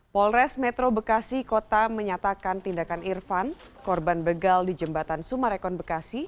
polres metro bekasi kota menyatakan tindakan irfan korban begal di jembatan sumarekon bekasi